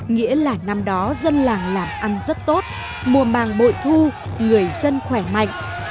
nghĩa là năm đó dân làng làm ăn rất tốt mùa màng bội thu người dân khỏe mạnh